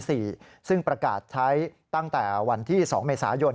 ซึ่งประกาศใช้ตั้งแต่วันที่๒เมษายน